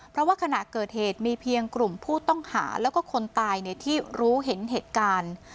เพราะว่าขณะเกิดเหตุมีเพียงกลุ่มผู้ต้องหาแล้วก็คนตายที่รู้เห็นเหตุการณ์